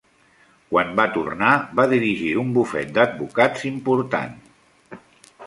Quan va tornar va dirigir un bufet d'advocats important.